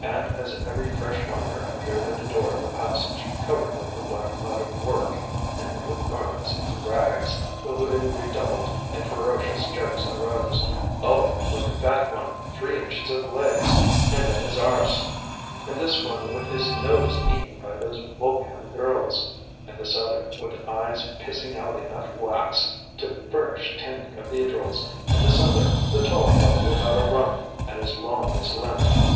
And as every fresh miner appeared at the door of the passage, covered with the black mud of work and with garments in rags, the hooting redoubled, and ferocious jokes arose. Oh! look at that one! three inches of legs and then his arse! and this one with his nose eaten by those Volcan girls! and this other, with eyes pissing out enough wax to furnish ten cathedrals! and this other, the tall fellow without a rump and as long as Lent!